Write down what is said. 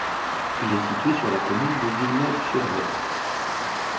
Il est situé sur la commune de Villeneuve-sur-Lot.